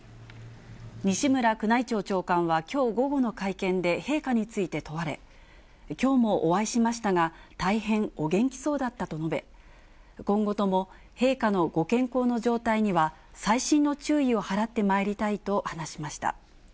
西村宮内庁長官は、きょう午後の会見で陛下について問われ、きょうもお会いしましたが、大変お元気そうだったと述べ、今後とも、陛下のご健康の状態には細心の注意を払ってまいりたいと話しました。